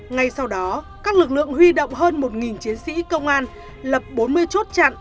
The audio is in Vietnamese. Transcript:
ngay sau đó các lực lượng huy động hơn một chiến sĩ công an lập bốn mươi chốt chặn